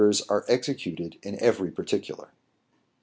^ are execL; ted in every parrLcurar.